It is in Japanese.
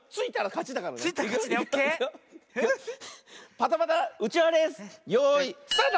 パタパタうちわレースよいスタート！